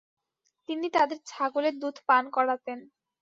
তিনি তাদের ছাগলের দুধ পান করাতেন।